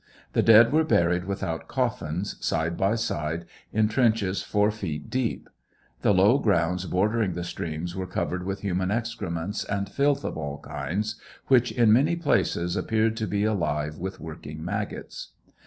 The dead were buried without coffins, side by side, in trenches four feet deep. The low grounds bordering the stream were covered with human excrements and filth of all kinds, which in many places appeared to be alive with working maggots.